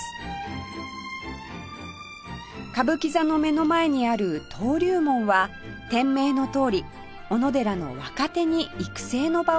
歌舞伎座の目の前にある登龍門は店名のとおりおのでらの若手に育成の場を与えたお店